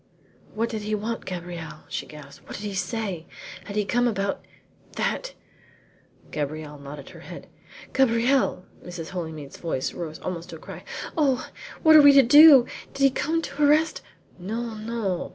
"What did he want, Gabrielle?" she gasped. "What did he say? Has he come about that?" Gabrielle nodded her head. "Gabrielle!" Mrs. Holymead's voice rose almost to a cry. "Oh, what are we to do? Did he come to arrest " "No, no!